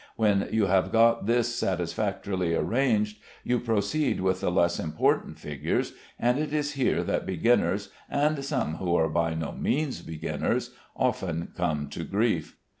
When you have got this satisfactorily arranged, you proceed with the less important figures, and it is here that beginners (and some who are by no means beginners) often come to grief.